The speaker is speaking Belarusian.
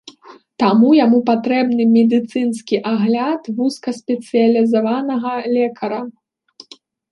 Таму яму патрэбны медыцынскі агляд вузкаспецыялізаванага лекара.